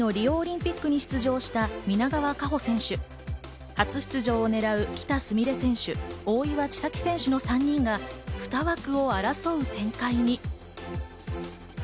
前回のリオオリンピックに出場した皆川夏穂選手、初出場をねらう喜田純鈴選手、大岩千未来選手の３人が２枠を争う展開に。